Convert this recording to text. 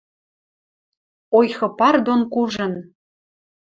Ойхы пар дон кужын.